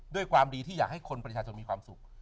ด้วยความดีที่อยากให้คนประชาชนมีความสุข